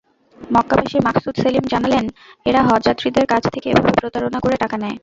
মক্কাবাসী মাকসুদ সেলিম জানালেন, এরা হজযাত্রীদের কাছ থেকে এভাবে প্রতারণা করে টাকা নেয়।